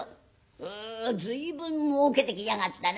「へえ随分もうけてきやがったな。